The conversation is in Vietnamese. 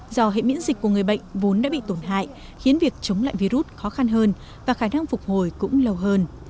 do hệ miễn dịch của người bệnh vốn đã bị tổn hại khiến việc chống lại virus khó khăn hơn và khả năng phục hồi cũng lâu hơn